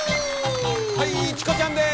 はいチコちゃんです